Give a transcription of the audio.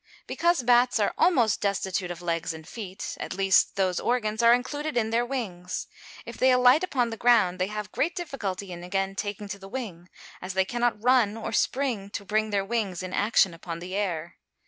_ Because bats are almost destitute of legs and feet; at least those organs are included in their wings. If they alight upon the ground, they have great difficulty in again taking to the wing, as they cannot run or spring to bring their wings in action upon the air.